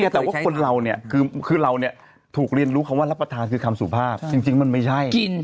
แต่ว่าคนเราเนี่ยคือเราเนี่ยถูกเรียนรู้คำว่ารับประทานคือคำสุภาพจริงมันไม่ใช่